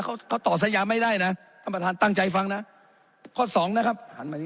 เขาตอบสัญญาไม่ได้นะท่านประธานตั้งใจฟังนะข้อ๒นะครับ